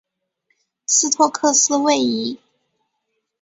斯托克斯位移。